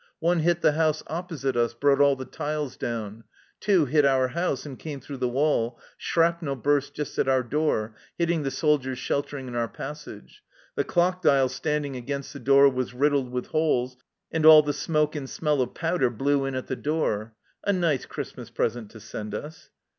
One hit the house opposite us, brought all the tiles down ; two hit our house and came through the wall ; shrapnel burst just at our door, hitting the soldiers sheltering in our passage. The clock dial standing against the door was riddled with holes, and all the smoke and smell of powder blew in at the door ! A nice Christmas present to send us